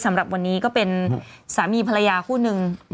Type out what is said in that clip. สำหรับวันนี้ก็เป็นสามีภรรยาคู่นึง